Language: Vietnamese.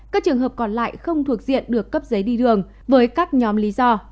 các trường hợp còn lại không thuộc diện được cấp giấy đi đường với các nhóm lý do